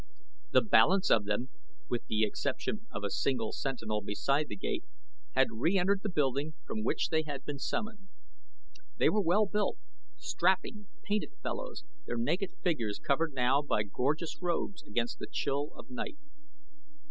The balance of them, with the exception of a single sentinel beside the gate, had re entered the building from which they had been summoned. They were well built, strapping, painted fellows, their naked figures covered now by gorgeous robes against the chill of night.